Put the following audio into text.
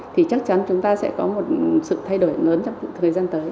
thì chắc chắn chúng ta sẽ có một sự thay đổi lớn trong thời gian tới